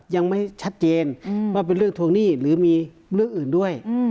ยังไม่ชัดเจนว่าเป็นเรื่องทวงหนี้หรือมีเรื่องอื่นด้วย